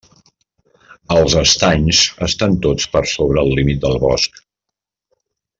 Els estanys estan tots per sobre el límit del bosc.